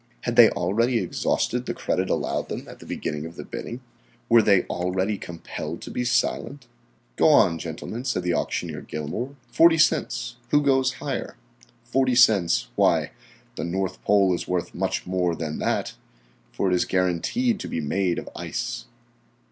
Had they already exhausted the credit allowed them at the beginning of the bidding? Were they already compelled to be silent? "Go on, gentlemen," said the Auctioneer Gilmour, "40 cents. Who goes higher? Forty cents; why, the North Pole is worth much more than that, for it is guaranteed to be made of ice."